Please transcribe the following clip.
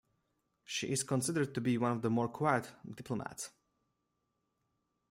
She is considered to be one of the more quiet diplomats.